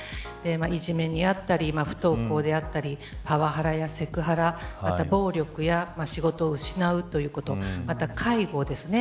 いじめにあたり不登校であったりパワハラやセクハラまた暴力や仕事を失うということまた介護ですね。